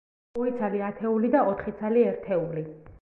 ორი ცალი ათეული და ოთხი ცალი ერთეული.